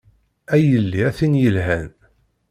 A yelli a tin yelhan.